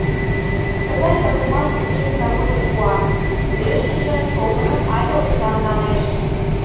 Тыгай сатумат ушем заводыш пуа, кӱсешыже шовыным але оксам налеш.